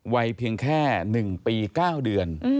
วัยเพียงแค่๑ปี๙เดือน